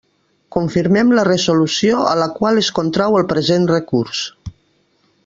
Confirmem la resolució a la qual es contrau el present recurs.